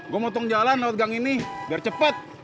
gua motong jalan lewat gang ini biar cepet